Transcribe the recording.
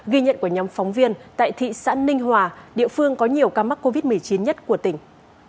ghi nhận của nhóm phóng viên tại thị xã ninh hòa địa phương có nhiều ca mắc covid một mươi chín nhất của tỉnh